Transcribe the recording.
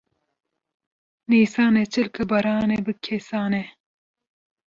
Nîsan e çilka baranê bi kêsane